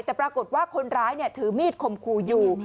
แต่ปรากฏว่าคนร้ายเนี่ยถือมีดขมครูอยู่